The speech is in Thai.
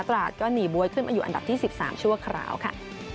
ตราดก็หนีบ๊วยขึ้นมาอยู่อันดับที่๑๓ชั่วคราวค่ะ